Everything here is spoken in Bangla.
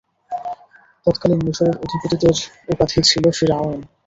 তৎকালীন মিসরের অধিপতিদের উপাধি ছিল ফিরআউন।